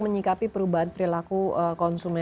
menyikapi perubahan perilaku